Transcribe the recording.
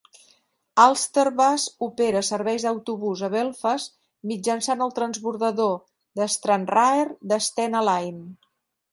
Ulsterbus opera serveis d'autobús a Belfast mitjançant el transbordador de Stranraer de Stena Line.